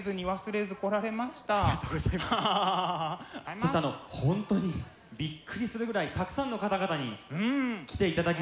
そしてあの本当にびっくりするぐらいたくさんの方々に来ていただきました。